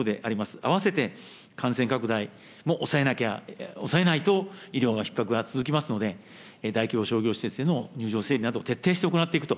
併せて感染拡大も抑えないと、医療のひっ迫が続きますので、大規模商業施設での入場整理など、徹底して行っていくと。